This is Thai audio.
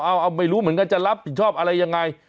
เอาไม่รู้เหมือนกันจะรับผิดชอบอะไรยังไง